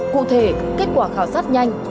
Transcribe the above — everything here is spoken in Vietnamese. cụ thể kết quả khảo sát nhanh